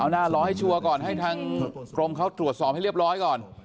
หน้ารอให้ชัวร์ก่อนให้ทางกรมเขาตรวจสอบให้เรียบร้อยก่อน